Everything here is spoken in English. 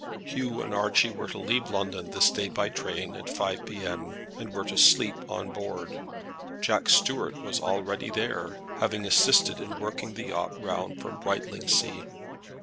Hugh and Archie were to leave London this day by train at 5 P.M., and were to sleep on board. Jack Stuart was already there, having assisted in working the yacht round from Brightlingsea.